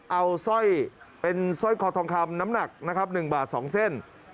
เอาซ่อยเป็นซ่อยคอทองคำน้ำหนัก๑บาท๒เส้น